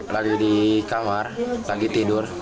lalu di kamar lagi tidur